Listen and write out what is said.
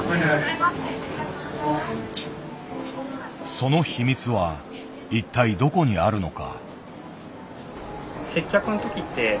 その秘密は一体どこにあるのか。